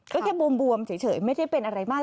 ก็แค่บวมเฉยไม่ได้เป็นอะไรมาก